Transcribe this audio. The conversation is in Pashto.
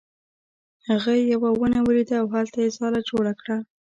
هغه یوه ونه ولیده او هلته یې ځاله جوړه کړه.